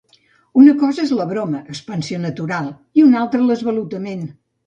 Una cosa és la broma, expansió natural, i una altra l'esvalotament.